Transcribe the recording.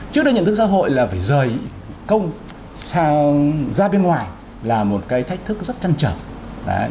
trước đây nhận thức xã hội là phải rời công ra bên ngoài là một cái thách thức rất chăn trở